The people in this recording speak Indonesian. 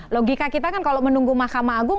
logika kita kan kalau menunggu mahkamah agung